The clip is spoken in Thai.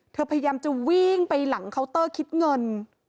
พยายามจะวิ่งไปหลังเคาน์เตอร์คิดเงิน